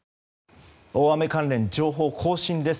大雨関連情報更新です。